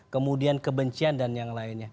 kemudian kebencian dan yang lainnya